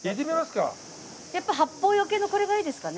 やっぱ八方除のこれがいいですかね？